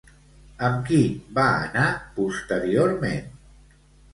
Amb qui va anar posteriorment?